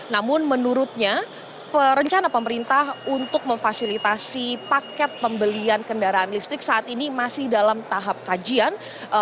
namun menurutnya rencana pemerintah untuk memfasilitasi paket pembelian kendaraan listrik saat ini masih dalam tahap kajian